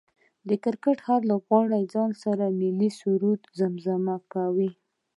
د کرکټ هر لوبغاړی ځان سره ملي سرود زمزمه کوي